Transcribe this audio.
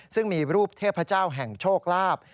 ซึ่งมีรูปเทพเจ้าแห่งโชคลาภ